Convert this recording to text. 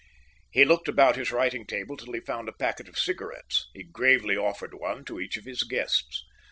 He looked about his writing table till he found a packet of cigarettes. He gravely offered one to each of his guests.